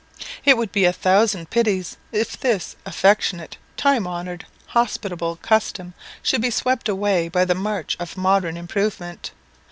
It would be a thousand pities if this affectionate, time honoured, hospitable custom, should be swept away by the march of modern improvement.